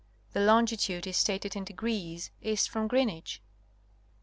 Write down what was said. The longitude is stated in degrees east from Greenwich.